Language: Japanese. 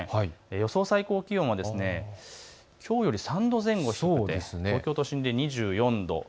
予想最高気温はきょうより３度前後低くて東京都心で２４度。